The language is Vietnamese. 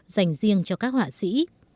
dành riêng cho các họa sĩ